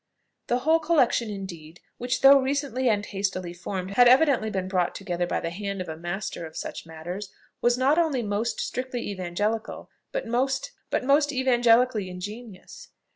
The whole collection indeed, which though recently and hastily formed, had evidently been brought together by the hand of a master of such matters, was not only most strictly evangelical, but most evangelically ingenious.